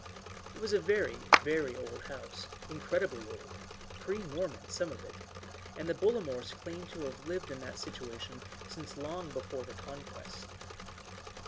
It was a very, very old house, incredibly old pre Norman, some of it and the Bollamores claimed to have lived in that situation since long before the Conquest.